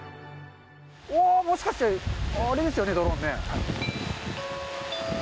おー、もしかして、あれですよね、ドローンね。